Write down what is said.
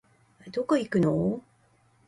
どこ行くのお